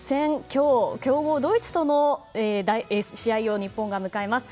今日、強豪ドイツとの試合を日本は迎えます。